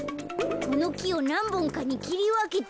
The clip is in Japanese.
このきをなんぼんかにきりわけてよ。